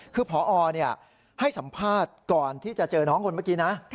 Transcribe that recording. คือพอให้สัมภาษณ์ก่อนที่จะเจอน้องคนเมื่อกี้นะ